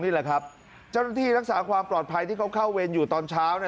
นี่แหละครับเจ้าหน้าที่รักษาความปลอดภัยที่เขาเข้าเวรอยู่ตอนเช้า